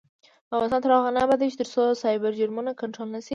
افغانستان تر هغو نه ابادیږي، ترڅو سایبري جرمونه کنټرول نشي.